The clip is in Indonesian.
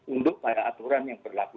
untuk pada aturan yang berlaku